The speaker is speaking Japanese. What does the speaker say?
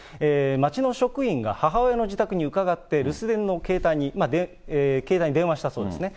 町の職員が母親の自宅に伺って、留守電の携帯に電話したそうですね。